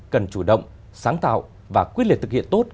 cần chủ động sáng tạo và quyết liệt thực hiện tốt